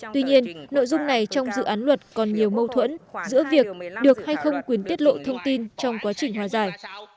tuy nhiên nội dung này trong dự án luật còn nhiều mâu thuẫn giữa việc được hay không quyền tiết lộ thông tin trong quá trình hòa giải